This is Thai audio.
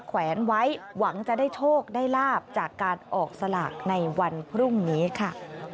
แขวนไว้หวังจะได้โชคได้ลาบจากการออกสลากในวันพรุ่งนี้ค่ะ